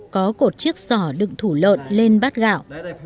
có cột chiếc sỏ đựng thủ lợn lên bát gạo